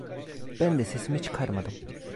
Ben de sesimi çıkarmadım.